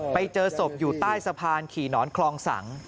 ไปเจอศพอยู่ใต้สะพานขี่หนอนคลองสัง